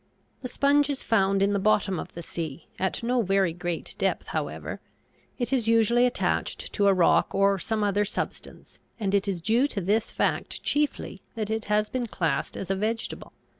The sponge is found in the bottom of the sea; at no very great depth, however. It is usually attached to a rock or some other substance and it is due to this fact chiefly that it has been classed as a vegetable.